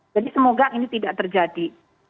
jadi semoga ini tidak terjadi